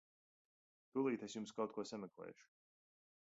Tūlīt es jums kaut ko sameklēšu.